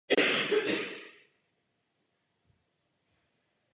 Celá řada jeho prací byla vydána v češtině.